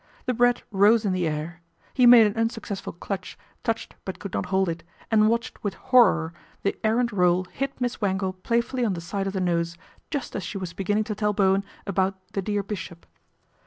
The bread rose in the air. He made an unsuccessful clutch, touched but could not hold it, and watched with horror the errant roll hit Miss Wangle playfully on the side of the nose, just as she was beginning to tell Bowen about " the dear bishop."